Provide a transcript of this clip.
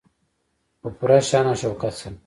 په پوره شان او شوکت سره.